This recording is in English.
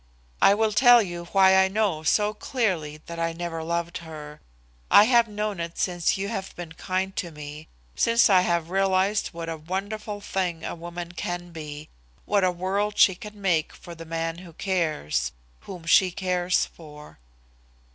I will tell you why I know so clearly that I never loved her. I have known it since you have been kind to me, since I have realised what a wonderful thing a woman can be, what a world she can make for the man who cares, whom she cares for."